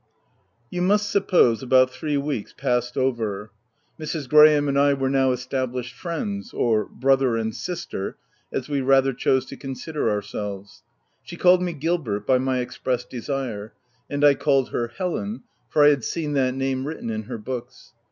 You must suppose about three weeks past over. Mrs. Graham and I were now established friends — or brother and sister as we rather chose to consider ourselves. She called me Gilbert, by my express desire, and I called her Helen, for I had seen that name written in her books.